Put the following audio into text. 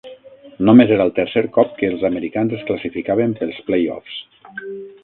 Només era el tercer cop que els americans es classificaven pels playoffs.